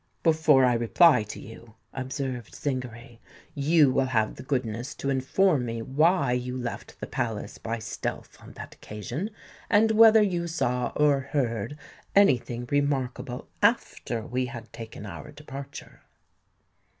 "Before I reply to you," observed Zingary, "you will have the goodness to inform me why you left the Palace by stealth on that occasion, and whether you saw or heard any thing remarkable after we had taken our departure?"